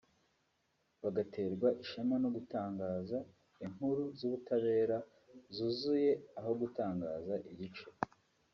bagaterwa ishema no gutangaza inkuru z’ubutabera zuzuye aho gutangaza igice